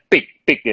pik pik ya